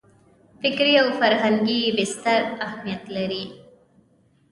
فکري او فرهنګي بستر اهمیت لري.